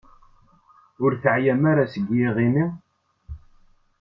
Ur teεyam ara seg yiɣimi?